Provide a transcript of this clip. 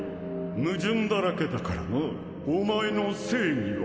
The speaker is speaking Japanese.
矛盾だらけだからなお前の正義は。